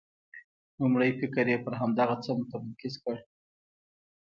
لومړی فکر یې پر همدغه څه متمرکز کړ.